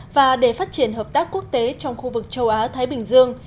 và để phát triển hợp tác quốc tế trong khu vực châu á thái bình dương